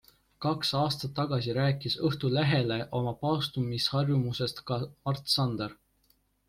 Kaks aastat tagasi rääkis Õhtulehele oma paastumisharjumusest ka Mart Sander.